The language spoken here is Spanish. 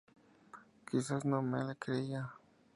Quizás no me creía".".